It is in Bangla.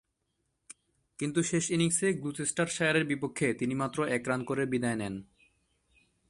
কিন্তু শেষ ইনিংসে গ্লুচেস্টারশায়ারের বিপক্ষে তিনি মাত্র এক রান করে বিদায় নেন।